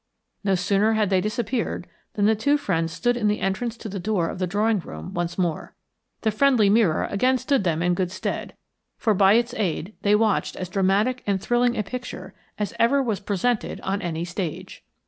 No sooner had they disappeared than the two friends stood in the entrance to the door of the drawing room once more. The friendly mirror again stood them in good stead, for by its aid they watched as dramatic and thrilling a picture as ever was presented on any stage.